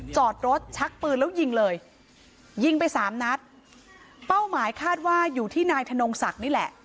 จอดรถชักปืนแล้วยิงเลยยิงไปสามนัดเป้าหมายคาดว่าอยู่ที่นายธนงศักดิ์นี่แหละ